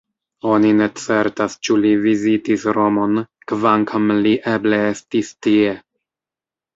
Oni ne certas ĉu li vizitis Romon, kvankam li eble estis tie.